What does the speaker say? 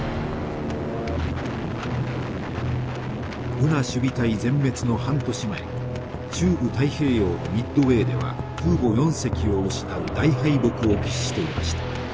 ブナ守備隊全滅の半年前中部太平洋のミッドウェーでは空母４隻を失う大敗北を喫していました。